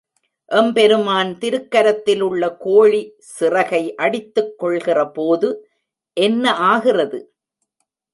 எம்பெருமான் திருக்கரத்திலுள்ள கோழி சிறகை அடித்துக் கொள்கிறபோது என்ன ஆகிறது?